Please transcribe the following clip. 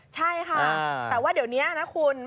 ใช่ค่ะแต่ว่าเดี๋ยวนี้นะคุณ